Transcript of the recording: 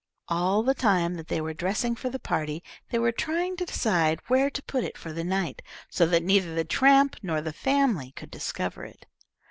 All the time that they were dressing for the party, they were trying to decide where to put it for the night, so that neither the tramp nor the family could discover it.